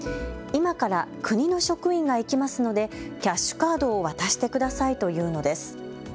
今から国の職員が行きますのでキャッシュカードを渡してくださいと言うのです。